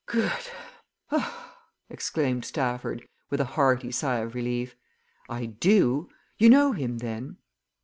"Good!" exclaimed Stafford, with a hearty sigh of relief. "I do! You know him, then?"